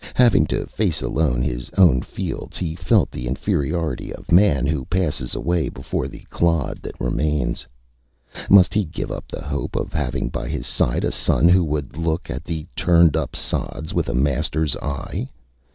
Having to face alone his own fields, he felt the inferiority of man who passes away before the clod that remains. Must he give up the hope of having by his side a son who would look at the turned up sods with a masterÂs eye?